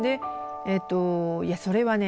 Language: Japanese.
いやそれはね